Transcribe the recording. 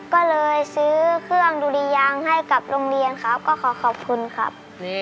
ก็เลยซื้อเครื่องดุรียางให้กับโรงเรียนครับก็ขอขอบคุณครับ